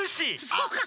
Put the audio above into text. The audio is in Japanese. そうか。